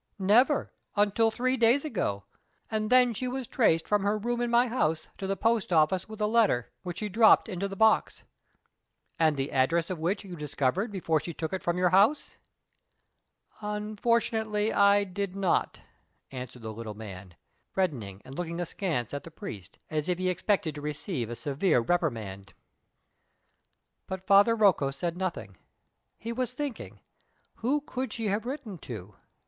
"Never, until three days ago; and then she was traced from her room in my house to the post office with a letter, which she dropped into the box." "And the address of which you discovered before she took it from your house?" "Unfortunately I did not," answered the little man, reddening and looking askance at the priest, as if he expected to receive a severe reprimand. But Father Rocco said nothing. He was thinking. Who could she have written to?